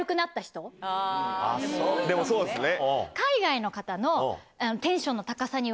でもそうですね。